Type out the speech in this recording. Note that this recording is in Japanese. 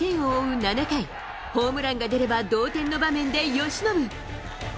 ７回、ホームランが出れば同点の場面で由伸。